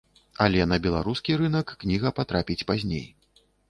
Але на беларускі рынак кніга патрапіць пазней.